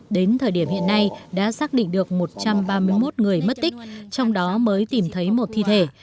đến thời điểm hiện nay đã xác định được một trăm ba mươi một người mất tích trong đó mới tìm thấy một thi thể